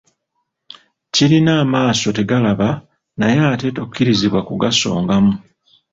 Kirina amaaso tegalaba naye ate tokkirizibwa kugasongamu.